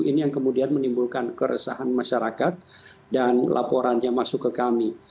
ini yang kemudian menimbulkan keresahan masyarakat dan laporan yang masuk ke kami